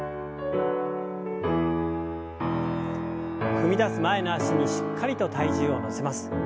踏み出す前の脚にしっかりと体重を乗せます。